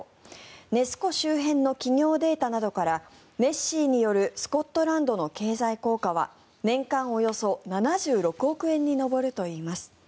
ネス湖周辺の企業データなどからネッシーによるスコットランドの経済効果は年間およそ７６億円に上るといいます。